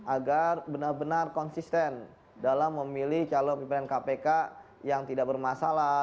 agar benar benar konsisten dalam memilih calon pimpinan kpk yang tidak bermasalah